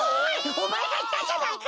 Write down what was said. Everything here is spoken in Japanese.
おまえがいったんじゃないか！